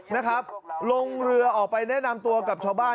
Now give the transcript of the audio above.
นะครับลงเรือออกไปแนะนำตัวกับชาวบ้าน